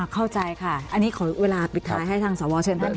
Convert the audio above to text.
เข้าใจค่ะอันนี้ขอเวลาปิดท้ายให้ทางสวเชิญท่านค่ะ